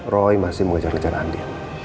roy masih mengajak ajak andi